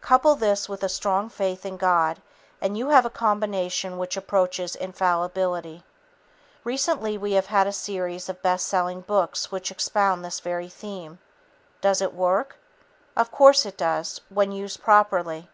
Couple this with a strong faith in God, and you have a combination which approaches infallibility. Recently we have had a series of best selling books which expound this very theme. Does it work? Of course it does when used properly.